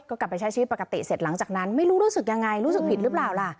ก็กลับไปใช้ชีวิตปกติเสร็จหลังจากนั้นไม่รู้รู้สึกยังไงรู้สึกผิดหรือเปล่าล่ะ